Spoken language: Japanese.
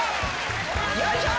よいしょ！